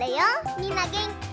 みんなげんき？